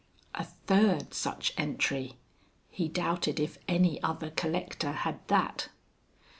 A third such entry. He doubted if any other collector had that.